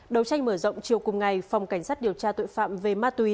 đầu tranh mở rộng chiều cùng ngày phòng cảnh sát điều tra tội phạm về ma túy